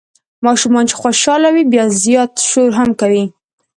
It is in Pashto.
ماشومان چې خوشال وي بیا زیات شور هم کوي.